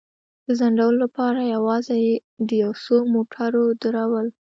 د ځنډولو لپاره یوازې د یو څو موټرو درول.